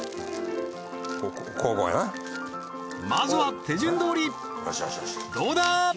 こうやなまずは手順どおりどうだ？